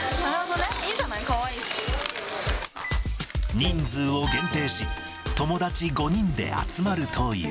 人数を限定し、友達５人で集まるという。